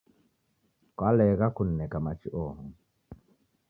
Kwalegha kunineka machi oho.